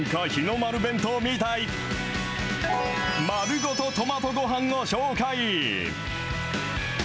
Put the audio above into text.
まるごとトマトごはんを紹介。